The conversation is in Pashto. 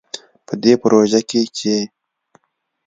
په دې پروژه کې چې